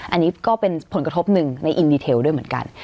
อันนี้ก็เป็นผลกระทบหนึ่งในอินดีเทลด้วยเหมือนกัน